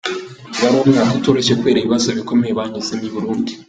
Ngo wari umwaka utoroshye kubera ibibazo bikomeye banyuzemo i Burundi.